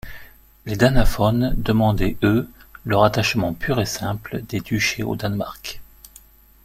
Les danophones demandaient, eux, le rattachement pur et simple des duchés au Danemark.